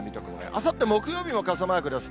あさって木曜日も傘マークです。